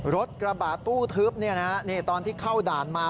รถกระบาดตู้ทึบเนี่ยนะตอนที่เข้าด่านมา